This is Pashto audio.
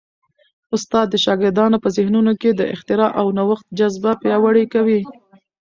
استاد د شاګردانو په ذهنونو کي د اختراع او نوښت جذبه پیاوړې کوي.